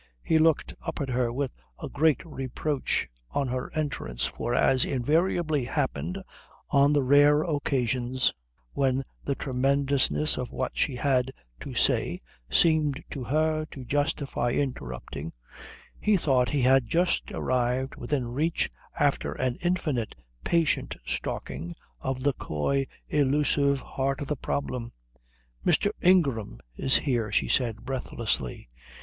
He looked up at her with a great reproach on her entrance, for as invariably happened on the rare occasions when the tremendousness of what she had to say seemed to her to justify interrupting, he thought he had just arrived within reach, after an infinite patient stalking, of the coy, illusive heart of the problem. "Mr. Ingram's here," she said breathlessly.